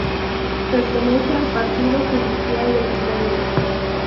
Pertenece al partido judicial de Piloña.